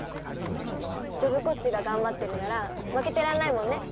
ジョブ子っちが頑張ってるなら負けてらんないもんね。